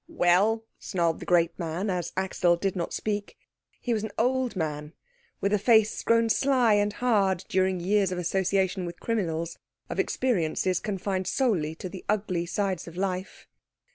"Well?" snarled the great man, as Axel did not speak. He was an old man, with a face grown sly and hard during years of association with criminals, of experiences confined solely to the ugly sides of life.